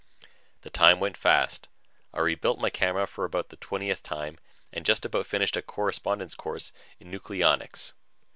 The time went fast. I rebuilt my camera for about the twentieth time and just about finished a correspondence course in nucleonics.